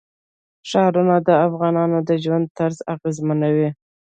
ښارونه د افغانانو د ژوند طرز اغېزمنوي.